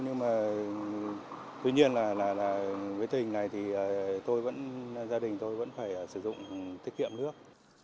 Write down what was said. nhưng mà tuy nhiên là với tỉnh này thì tôi vẫn gia đình tôi vẫn phải sử dụng tiết kiệm nước